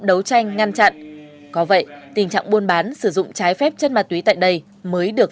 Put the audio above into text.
đấu tranh ngăn chặn có vậy tình trạng buôn bán sử dụng trái phép chất ma túy tại đây mới được